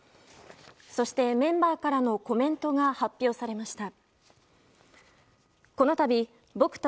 そして、メンバーからのコメントが発表されました。